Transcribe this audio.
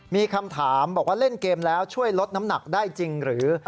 มีคำถามบอกว่าเล่นเกมแล้วช่วยลดน้ำหนักได้จริงหรือ